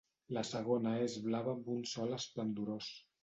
La segona és blava amb un sol esplendorós.